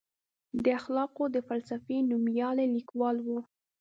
د اخلاقو د فلسفې نوميالی لیکوال و.